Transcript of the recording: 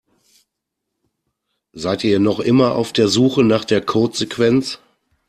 Seid ihr noch immer auf der Suche nach der Codesequenz?